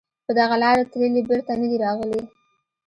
په دغه لاره تللي بېرته نه دي راغلي